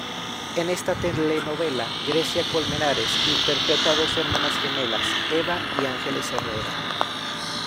En esta telenovela Grecia Colmenares interpreta dos hermanas gemelas: Eva y Angeles Herrera.